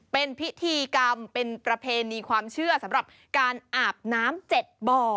เป็นพิธีกรรมเป็นประเพณีความเชื่อสำหรับการอาบน้ำ๗บ่อ